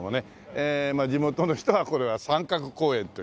え地元の人はこれを「三角公園」という。